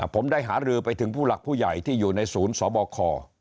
ผมได้หารือไปถึงผู้หลักผู้ใหญ่ที่อยู่ในศูนย์สบค